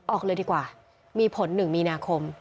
ออกเลยดีกว่ามีผล๑มีนาคม